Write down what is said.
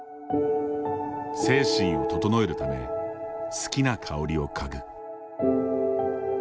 精神を整えるため好きな香りを嗅ぐ。